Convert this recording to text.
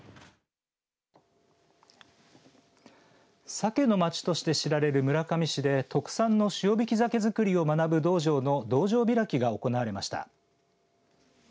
サケの街として知られる村上市で特産の塩引き鮭づくりを学ぶ道場の道場開きが行われました。